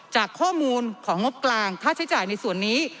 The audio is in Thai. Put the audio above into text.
จากข้อมูลของงบกลางค่าใช้จ่ายในส่วนนี้